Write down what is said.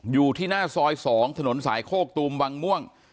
อยู่ที่หน้าซอย๒ถนนสายโคกตูมวังม่วง